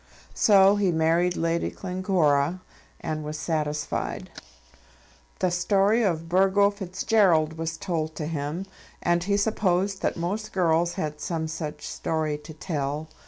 So he married Lady Glencora and was satisfied. The story of Burgo Fitzgerald was told to him, and he supposed that most girls had some such story to tell.